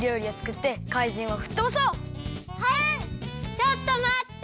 ちょっとまって！